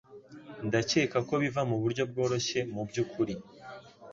Ndakeka ko biva muburyo bworoshye, mubyukuri.